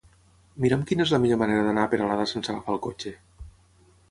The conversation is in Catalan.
Mira'm quina és la millor manera d'anar a Peralada sense agafar el cotxe.